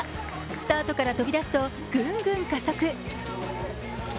スタートから飛び出すとぐんぐん加速。